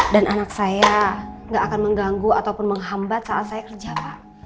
dan anak saya enggak akan mengganggu ataupun menghambat saat saya kerja pak